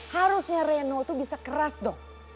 harusnya reno itu bisa keras dong